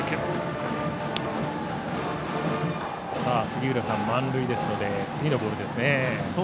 杉浦さん、満塁なので次のボールですね。